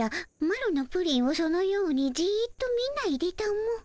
マロのプリンをそのようにじっと見ないでたも。